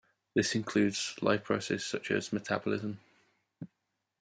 This includes life processes such as metabolism.